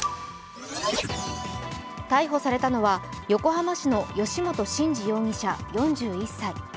逮捕されたのは横浜市の由元慎二容疑者４１歳。